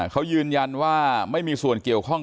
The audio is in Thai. เขายืนยันว่าไม่มีส่วนเกี่ยวข้อง